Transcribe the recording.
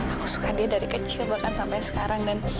aku suka dia dari kecil bahkan sampai sekarang